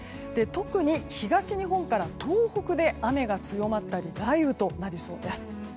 特に東日本から東北で雨が強まったり雷雨となりそうです。